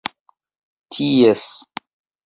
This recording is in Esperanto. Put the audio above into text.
ties